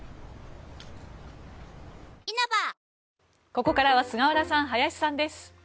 ここからは菅原さん、林さんです。